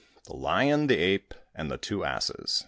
THE LION, THE APE, AND THE TWO ASSES.